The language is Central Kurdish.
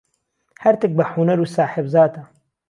هەرتک بە حونەر و ساحێب زاتە.